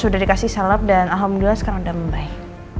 udah dikasih salep dan alhamdulillah sekarang udah membaik